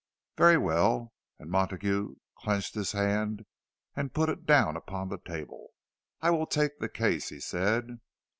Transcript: "Very well." And Montague clenched his hand, and put it down upon the table. "I will take the case," he said.